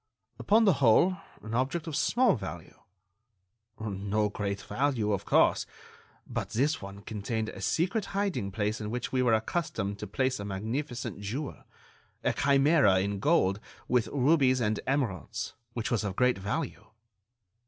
"Upon the whole, an object of small value." "No great value, of course. But this one contained a secret hiding place in which we were accustomed to place a magnificent jewel, a chimera in gold, set with rubies and emeralds, which was of great value."